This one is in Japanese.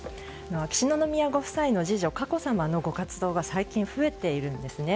秋篠宮ご夫妻の次女佳子さまのご活動が最近増えているんですね。